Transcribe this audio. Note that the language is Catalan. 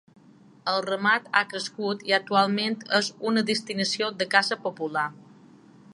El ramat ha crescut i actualment és una destinació de caça popular.